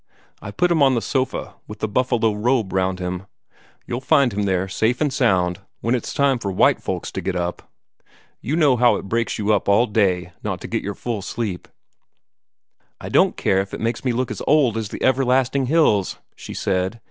I put him on the sofa, with the buffalo robe round him. You'll find him there, safe and sound, when it's time for white folks to get up. You know how it breaks you up all day, not to get your full sleep." "I don't care if it makes me look as old as the everlasting hills," she said.